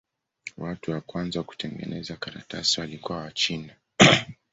Watu wa kwanza kutengeneza karatasi walikuwa Wachina.